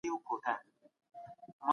سوسياليستي نظام د ملکيت مخالف و.